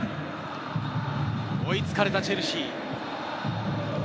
追いつかれたチェルシー。